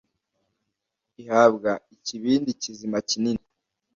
ihabwa ikibindi kizima kinini